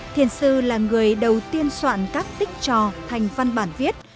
thiền sư là người đầu tiên soạn các tích trò thành văn bản viết